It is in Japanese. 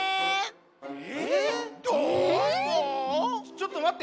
ちょっとまって。